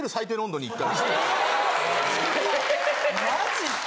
・・マジすか？